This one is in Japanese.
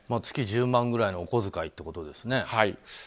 月１０万ぐらいのお小遣いってことですね。